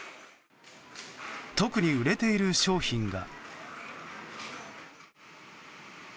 特に売れている商品が。